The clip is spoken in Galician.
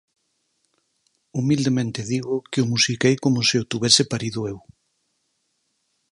Humildemente digo que o musiquei como se o tivese parido eu.